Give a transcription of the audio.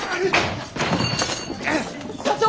社長！